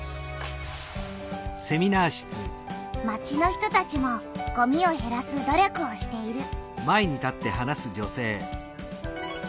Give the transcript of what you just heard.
町の人たちもごみをへらす努力をしている。